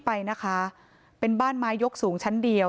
ไปนะคะเป็นบ้านไม้ยกสูงชั้นเดียว